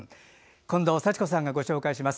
近藤幸子さんがご紹介します。